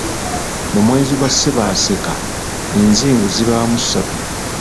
Mu mwezi gwa Ssebaaseka enzingu ziba mu ssatu.